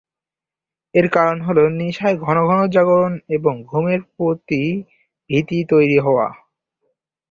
এর কারণ হলো নিশায় ঘন ঘন জাগরণ এবং ঘুমের প্রতি ভীতি তৈরী হওয়া।